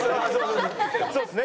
そうですね